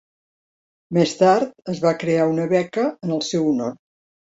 Més tard, es va crear una beca en el seu honor.